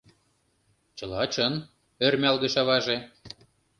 — Чыла чын, — ӧрмалгыш аваже.